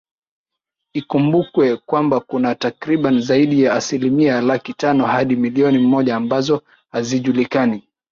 ikumbukwe kwamba kuna takriban zaidi ya asilimia laki tano hadi milioni moja ambazo hazijulikani